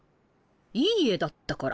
いい絵だったから。